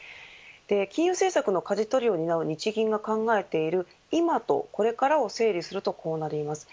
金融政策のかじ取りを担う日銀が考えている今とこれからを整理するとこうなります。